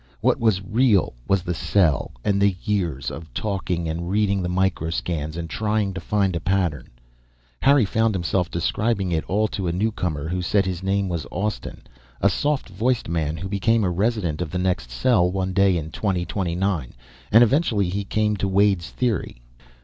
What was real was the cell and the years of talking and reading the microscans and trying to find a pattern. Harry found himself describing it all to a newcomer who said his name was Austin a soft voiced man who became a resident of the next cell one day in 2029. And eventually he came to Wade's theory.